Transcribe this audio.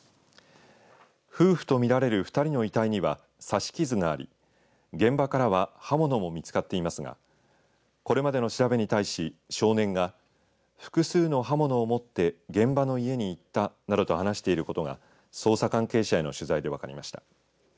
夫婦とみられる２人の遺体には刺し傷があり現場からは刃物も見つかっていますがこれまでの調べに対し、少年が複数の刃物を持って現場の家に行ったなどと話していることが捜査関係者への取材で分かりました。